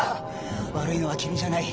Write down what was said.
「悪いのは君じゃない。